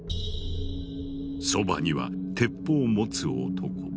そばには鉄砲を持つ男。